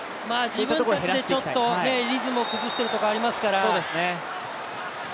自分たちでリズムを崩しているところがありますから。